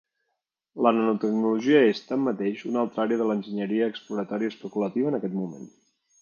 La nanotecnologia és, tanmateix, una altra àrea de l'enginyeria exploratòria especulativa en aquest moment.